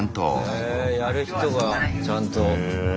へえやる人がちゃんと。